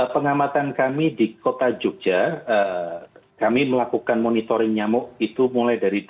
pengamatan kami di kota jogja kami melakukan monitoring nyamuk itu mulai dari dua ribu lima belas sampai dua ribu dua puluh